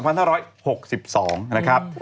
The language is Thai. นะครับ